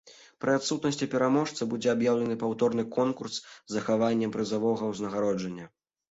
Пры адсутнасці пераможцы будзе аб'яўлены паўторны конкурс з захаваннем прызавога ўзнагароджання.